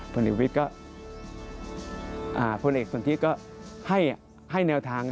ผลเอกสุนทิบุญรัตน์ก็ให้แนวทาง